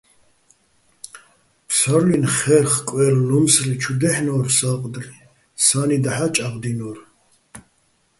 ფსარლუ́ჲნი̆ ხერხ-კვერ-ლუსმრი ჩუ დაჲჰ̦ნო́რ სა́ყდრი, სა́ნი დაჰ̦ა́ ჭაღდინო́რ.